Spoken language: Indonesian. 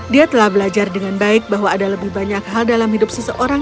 dia telah belajar dengan baik bahwa ada lebih banyak hal dalam hidup seseorang